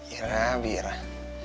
irah bi irah